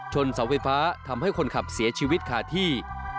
เสาไฟฟ้าทำให้คนขับเสียชีวิตขาดที่